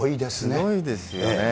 すごいですよね。